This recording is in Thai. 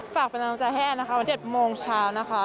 ฝากเป็นกำลังใจให้แอนนะคะวัน๗โมงเช้านะคะ